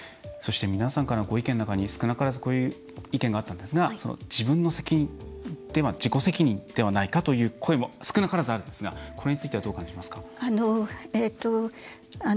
皆さんからのご意見の中に少なからずこういう意見があったんですが自分の責任、自己責任ではないかという声も少なからずあるんですがこれについてはどう感じますか。